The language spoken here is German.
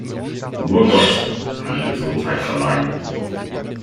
Nur Gott kann Gesundheit verleihen.